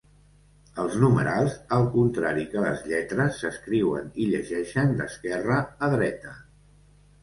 Els numerals, al contrari que les lletres, s'escriuen i llegeixen d'esquerra a dreta.